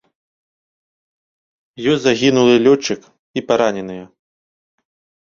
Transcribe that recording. Ёсць загінулы лётчык і параненыя.